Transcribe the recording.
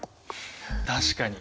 確かに。